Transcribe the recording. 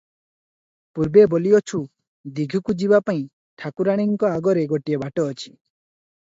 ପୂର୍ବେ ବୋଲିଅଛୁ; ଦୀଘିକୁ ଯିବାପାଇଁ ଠାକୁରାଣୀଙ୍କ ଆଗରେ ଗୋଟିଏ ବାଟ ଅଛି ।